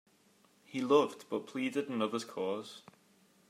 He loved, but pleaded another's cause.